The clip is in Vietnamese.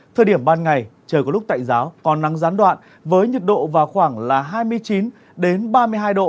thời điểm ban ngày trời có lúc tạnh giáo còn nắng gián đoạn với nhiệt độ vào khoảng là hai mươi chín ba mươi hai độ